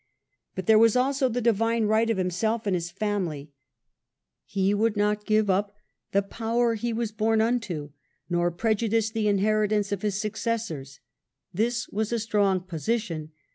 But there was also the Divine right of himself and his family; he would not give up " the power he was born unto ", nor prejudice the inheri tance of his successors. This was a strong position.